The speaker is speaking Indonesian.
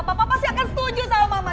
bapak pasti akan setuju sama mama